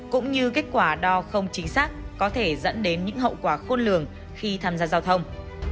cũng như kết quả đo không chính xác có thể dẫn đến những hậu quả khôn lường khi tham gia giao thông